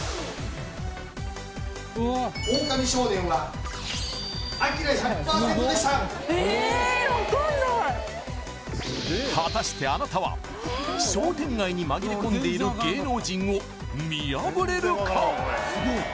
オオカミ少年は果たしてあなたは商店街に紛れ込んでいる芸能人を見破れるか？